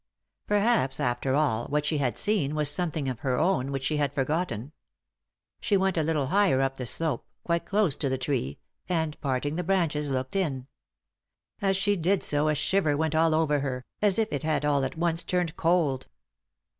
Perhaps, after all, what she had seen was something of her own which she had forgotten. She went a little higher up the slope, quite close to the tree, and, parting the branches, looked in. As she did so a shiver went all over her, as if it had all at once turned cold.